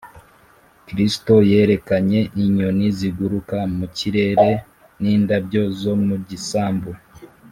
kristo yerekanye inyoni ziguruka mu kirere n’indabyo zo mu gisambu